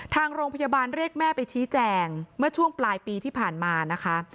ทางโรงพยาบาลเรียกแม่ไปชี้แจงเมื่อช่วงปลายปีที่ผ่านมานะคะ